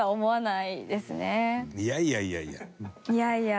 いやいやいやいや。